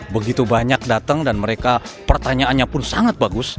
begitu banyak datang dan mereka pertanyaannya pun sangat bagus